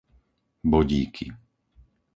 Bodíky